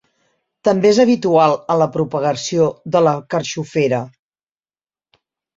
També és habitual en la propagació de la carxofera.